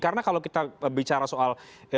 karena kalau kita bicara soal